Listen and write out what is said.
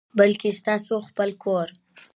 بلکي ستاسو خپل کور،